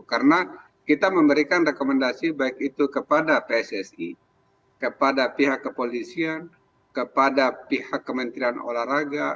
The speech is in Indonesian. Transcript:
karena kita memberikan rekomendasi baik itu kepada pssi kepada pihak kepolisian kepada pihak kementerian olahraga